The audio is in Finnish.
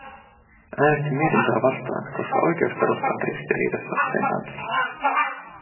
Äänestin mietintöä vastaan, koska oikeusperusta on ristiriidassa sen kanssa.